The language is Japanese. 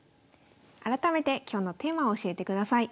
改めて今日のテーマを教えてください。